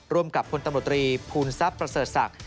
ร่วมิกพุทธภูมิทรัพท์ประเสริฐศักดิ์